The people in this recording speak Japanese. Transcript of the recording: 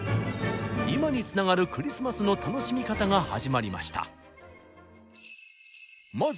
今につながるクリスマスの楽しみ方が始まりました。